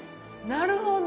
なるほど！